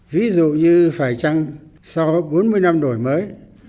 ví dụ như phải chăng sau bốn mươi năm đổi mới